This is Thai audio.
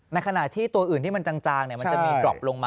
ในขณะที่ตัวอื่นที่มันจางมันจะมีกรอบลงมา